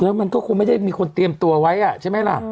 แล้วมันก็คงไม่ได้มีคนเตรียมตัวไว้ใช่ไหมล่ะ